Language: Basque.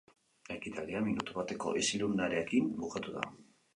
Ekitaldia minutu bateko isilunearekin bukatu da.